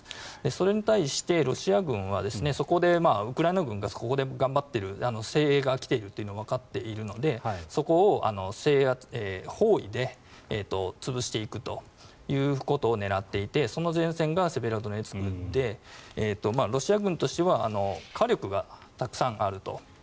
それに対してロシア軍はウクライナ軍がそこで頑張っている精鋭が来ているというのがわかっているのでそこを包囲で潰していくということを狙っていてその前線がセベロドネツクでロシア軍としては火力がたくさんあると。